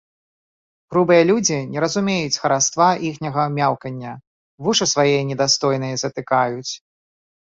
Грубыя людзі не разумеюць хараства іхняга мяўкання, вушы свае недастойныя затыкаюць.